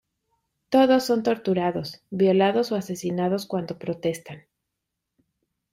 Todos son torturados, violados o asesinados cuando protestan.